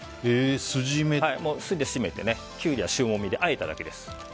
酢でしめてキュウリは塩もみであえただけです。